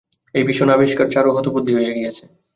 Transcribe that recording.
এই ভীষণ আবিষ্কারে চারু হতবুদ্ধি হইয়া গেছে।